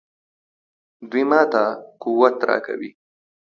دوی ماته قوت راکوي.